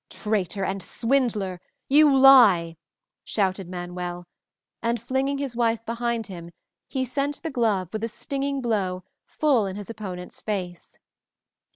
"Traitor and swindler, you lie!" shouted Manuel, and, flinging his wife behind him, he sent the glove, with a stinging blow, full in his opponent's face.